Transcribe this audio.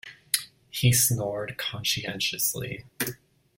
He snored conscientiously.